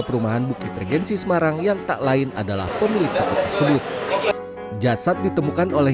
perumahan bukit regensi semarang yang tak lain adalah pemilik toko tersebut jasad ditemukan oleh